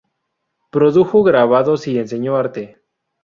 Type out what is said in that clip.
Produjo grabados y enseñó arte.